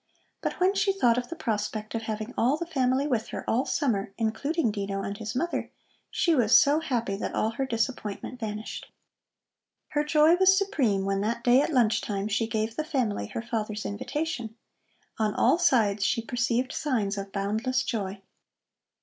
But when she thought of the prospect of having all the family with her all summer, including Dino and his mother, she was so happy that all her disappointment vanished. Her joy was supreme when that day at lunch time she gave the family her father's invitation. On all sides she perceived signs of boundless joy.